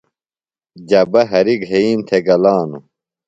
جبہ ہریۡ گھئیم تھےۡ گلانوۡ۔